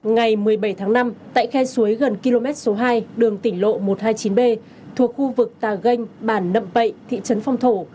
ngày một mươi bảy tháng năm tại khe suối gần km số hai đường tỉnh lộ một trăm hai mươi chín b thuộc khu vực tà ganh bản nậm pậy thị trấn phong thổ